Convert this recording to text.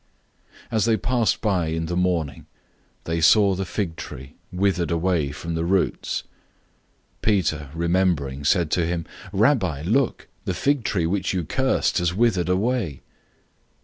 011:020 As they passed by in the morning, they saw the fig tree withered away from the roots. 011:021 Peter, remembering, said to him, "Rabbi, look! The fig tree which you cursed has withered away."